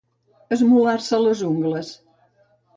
Esmolar-se les ungles.